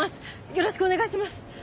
よろしくお願いします！